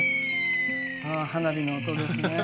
花火の音ですね。